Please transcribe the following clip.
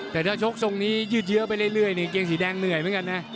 แต่ถ้าชกทรงนี้ยืดเยอะไปเรื่อยนี่เกงสีแดงเหนื่อยเหมือนกันนะ